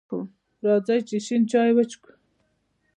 راځئ چې شین چای وڅښو!